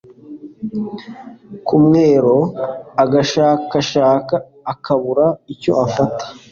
ku mwero, agashakashaka akabura icyo afata